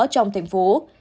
trong thành phố